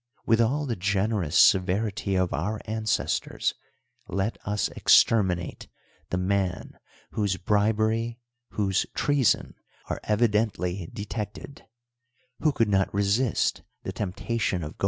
AYith all the g'enerous sever ity of our ancestors, let us exterminate the man whose bribery, whose treason, are evidently de tected ; who could not resist the temptation of i?